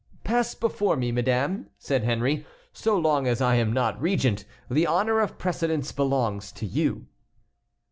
"Pass before me, madame," said Henry; "so long as I am not regent, the honor of precedence belongs to you."